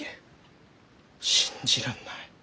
信じらんない。